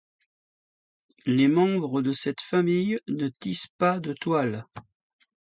Les membres de cette famille ne tissent pas de toiles.